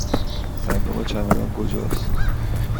صندوق چمدان کجاست؟